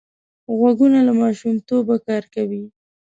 غوږونه له ماشومتوبه کار کوي